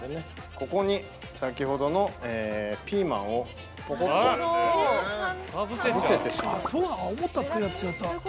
ここに、先ほどのピーマンをぽこっとかぶせてしまいます。